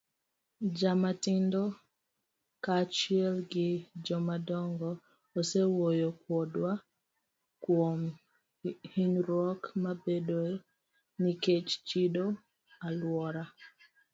Jomatindo kaachiel gi jomadongo osewuoyo kodwa kuom hinyruok mabedoe nikech chido alwora.